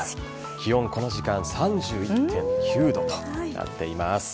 気温、この時間３１．９度となっています。